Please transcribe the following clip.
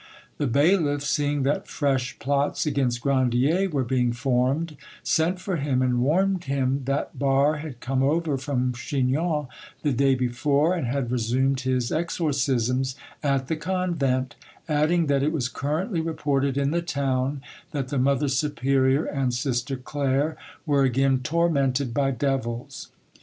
The bailiff, seeing that fresh plots against Grandier were being formed, sent for him and warned him that Barre had come over from Chinon the day before, and had resumed his exorcisms at the convent, adding that it was currently reported in the town that the mother superior and Sister Claire were again tormented by devils.